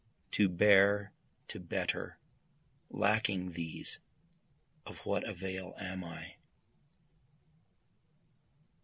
To bear, to better, lacking these of what avail am I?